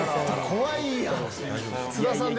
怖いやん。